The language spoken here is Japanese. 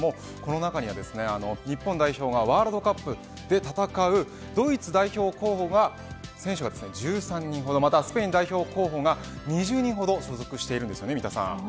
この中には日本代表がワールドカップで戦うドイツ代表候補が選手が１３人ほど、またスペイン代表候補が２０人ほど所属しています。